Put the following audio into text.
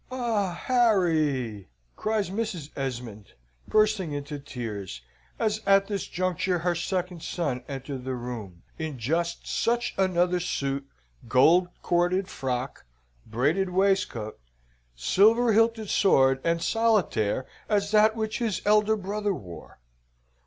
"Ah, Harry!" cries Mrs. Esmond, bursting into tears, as at this juncture her second son entered the room in just such another suit, gold corded frock, braided waistcoat, silver hilted sword, and solitaire, as that which his elder brother wore.